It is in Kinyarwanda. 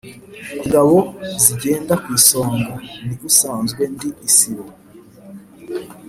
ingabo nzigenda ku isonga, ni usanzwe ndi isibo